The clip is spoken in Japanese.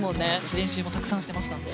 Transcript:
練習もたくさんしていましたので。